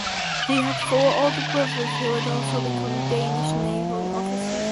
He had four older brothers who would also become Danish naval officers.